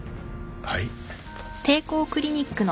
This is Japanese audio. はい。